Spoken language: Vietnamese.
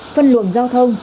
phân luồng giao thông